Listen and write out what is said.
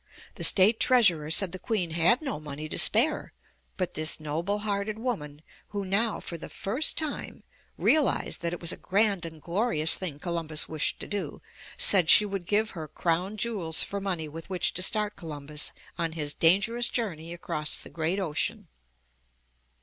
The State Treasurer said the Queen had no money to spare, but this noble hearted woman, who now, for the first time, realized that it was a grand and glorious thing Columbus wished to do, said she would give her crown jewels for money with which to start Columbus on his dangerous journey across the great ocean.